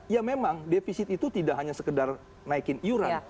ya memang defisit itu tidak hanya sekedar naikin iuran